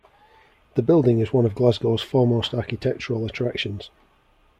The building is one of Glasgow's foremost architectural attractions.